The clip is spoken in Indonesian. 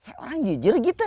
saya orang jujur gitu